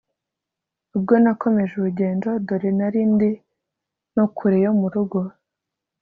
ubwo nakomeje urugendo dore ko nari ndi no kure yo murugo